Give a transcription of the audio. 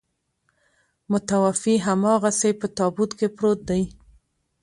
متوفي هماغسې په تابوت کې پروت دی.